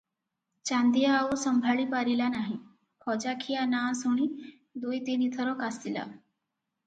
ଚାନ୍ଦିଆ ଆଉ ସମ୍ଭାଳିପାରିଲା ନାହିଁ, ଖଜାଖିଆ ନାଁ ଶୁଣି ଦୁଇ ତିନିଥର କାଶିଲା ।